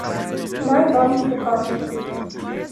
Naj vam pokažem.